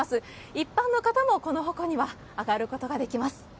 一般の方もこの鉾には上がることができます。